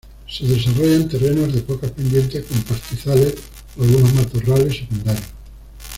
Se desarrolla en terrenos de poca pendiente con pastizales o algunos matorrales secundarios.